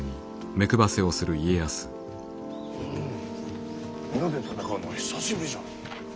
うん皆で戦うのは久しぶりじゃの。